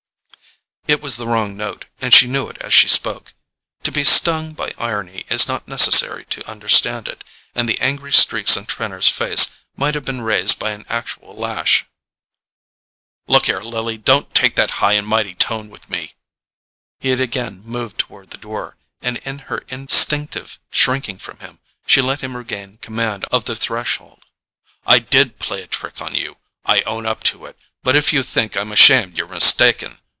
It was the wrong note, and she knew it as she spoke. To be stung by irony it is not necessary to understand it, and the angry streaks on Trenor's face might have been raised by an actual lash. "Look here, Lily, don't take that high and mighty tone with me." He had again moved toward the door, and in her instinctive shrinking from him she let him regain command of the threshold. "I DID play a trick on you; I own up to it; but if you think I'm ashamed you're mistaken.